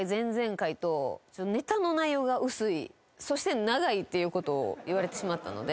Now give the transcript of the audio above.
［何を選ぶ？］っていうことを言われてしまったので。